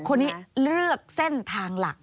คนนี้เลือกเส้นทางหลัก